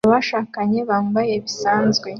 Abashakanye bambaye bisanzwe